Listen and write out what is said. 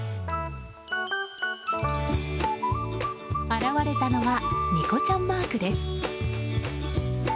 現れたのはニコちゃんマークです。